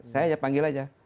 saya aja panggil aja